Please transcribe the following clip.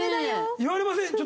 言われません？